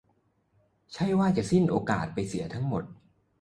ใช่ว่าจะสิ้นโอกาสไปเสียทั้งหมด